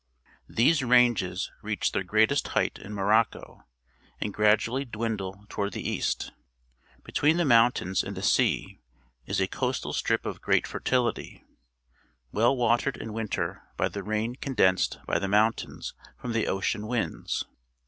These ranges reach their greatest height in Morocco, and gradually dwindle toward the east. Between the inountains and the sea is a coastal strip of great fertility, well watered in winter by the rain condensed by the mountains from the ocean winds.